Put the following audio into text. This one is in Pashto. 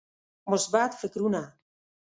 مثبت فکرونه